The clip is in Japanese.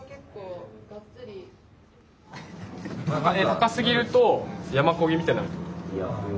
高すぎると山漕ぎみたいになるってこと？